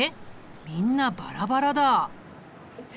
みんなバラバラだ。